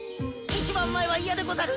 一番前は嫌でござる！